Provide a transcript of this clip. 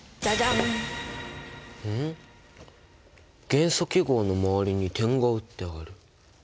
元素記号の周りに点が打ってある。